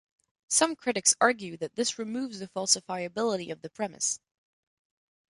Some critics argue that this removes the falsifiability of the premise.